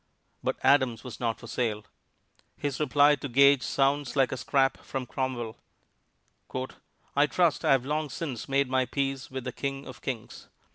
But Adams was not for sale. His reply to Gage sounds like a scrap from Cromwell: "I trust I have long since made my peace with the King of Kings.